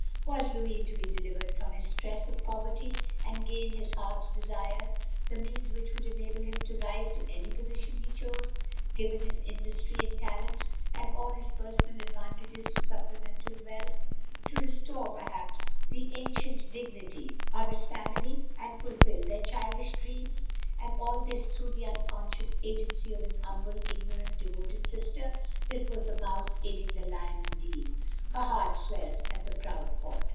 Was Louis to be delivered from his stress of poverty, and gain his heart's desire — ^the means which would enable him to rise to any position he chose — given his industry and talents, and all his personal advantages to supplement his wealth? To restore, perhaps, the ancient dignity J 74 THE LONELY LADY of his family, and fulfil their childish dreams? And all this through the unconscious agency of his humble, ignorant, devoted sister. This was the mouse aiding the lion indeed. Her heart swelled at the proud thought.